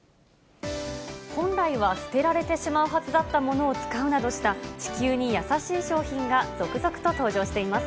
本来は捨てられてしまうはずだったものを使うなどした、地球に優しい商品が続々と登場しています。